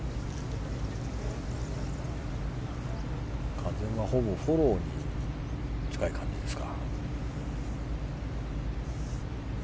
風は、ほぼフォローに近い感じですか。